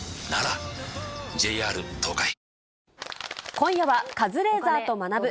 今夜は、カズレーザーと学ぶ。